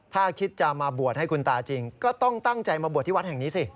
ถ้าคิดจะมาบวชให้คุณตาจริงก็ต้องตั้งใจมาบวชที่วัดแห่งนี้สิ